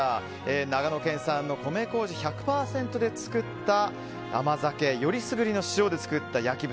長野県産の米こうじ１００％で作った甘酒選りすぐりの塩で作った焼豚